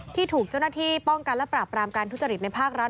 ที่ถูกเจ้าหน้าที่ป้องกันและปราบรามการทุจริตในภาครัฐ